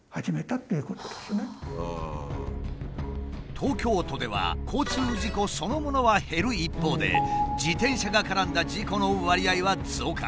東京都では交通事故そのものは減る一方で自転車が絡んだ事故の割合は増加。